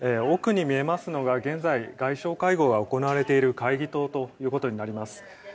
奥に見えますのが現在、外相会合が行われている会議棟となります。